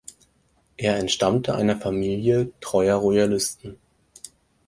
Er entstammte einer Familie treuer Royalisten.